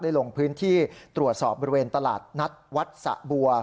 ลงพื้นที่ตรวจสอบบริเวณตลาดนัดวัดสะบัว